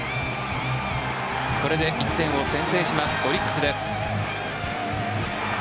これで１点を先制しますオリックスです。